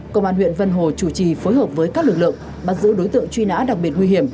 công an huyện vân hồ chủ trì phối hợp với các lực lượng bắt giữ đối tượng truy nã đặc biệt nguy hiểm